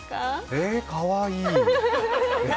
え、かわいい。